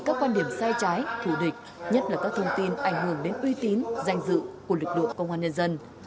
các quan điểm sai trái thủ địch nhất là các thông tin ảnh hưởng đến uy tín danh dự của lực lượng công an nhân dân